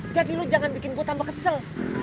jadi lu jangan bikin gua tambah kesel